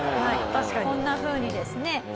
こんなふうにですねＳＦ